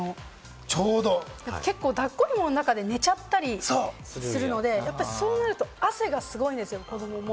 結構、抱っこひもの中で寝ちゃったりするので、そうなると汗がすごいんですよ、子どもも。